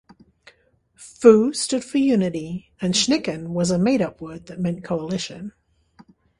"Fu" stood for unity and "schnicken" was a made-up word that meant coalition.